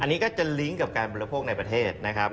อันนี้ก็จะลิงก์กับการบริโภคในประเทศนะครับ